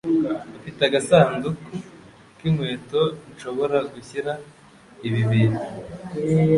Ufite agasanduku k'inkweto nshobora gushyira ibi bintu?